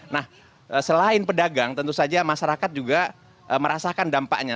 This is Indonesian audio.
nah selain pedagang tentu saja masyarakat juga merasakan dampaknya